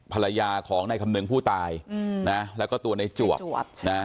ภรรยาของในคำนึงผู้ตายนะแล้วก็ตัวในจวบนะ